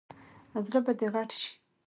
زړه به دې غټ شي !